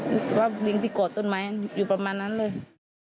รู้สึกว่าลิ้งติดโกดต้นไม้อยู่ประมาณนั้นเลย